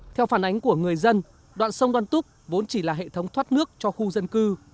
theo phản ánh của người dân đoạn sông đoan túc vốn chỉ là hệ thống thoát nước cho khu dân cư